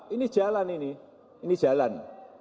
ini jalan ini ini jalan